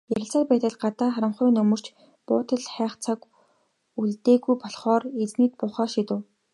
Ярилцсаар байтал гадаа харанхуй нөмөрч, буудал хайх цаг үлдээгүй болохоор эднийд буухаар шийдэв.